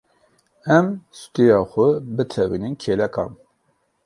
Em stûyê xwe bitewînin kêlekan.